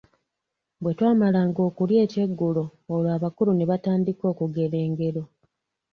Bwetwamalanga okulya ekyeggulo, olwo abakulu ne batandika okugera engero.